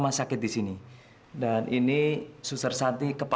maksud gue dari luar kota